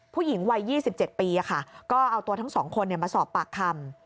ผู้หญิงวัย๒๗ปีก็เอาตัวทั้ง๒คนมาสอบปากคำ